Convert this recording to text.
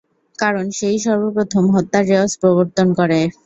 কারণ সে-ই সর্বপ্রথম হত্যার রেওয়াজ প্রবর্তন করে।